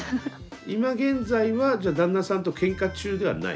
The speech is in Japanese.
今現在はじゃあ旦那さんとケンカ中ではない？